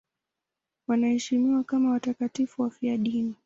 Wanaheshimiwa kama watakatifu wafiadini.